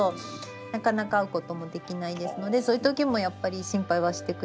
なかなか会うこともできないですのでそういう時もやっぱり心配はしてくれてるんだなって。